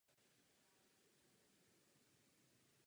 Jeho první zápas za Fulham byl proti Sheffieldu United.